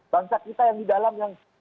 bangsa kita yang di dalam yang